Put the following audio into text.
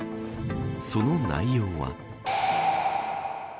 その内容は。